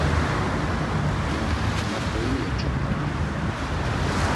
Ma, ma; ǩoyini ep̌ç̌opare, ma.